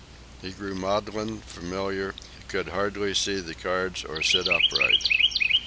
He grew maudlin, familiar, could hardly see the cards or sit upright.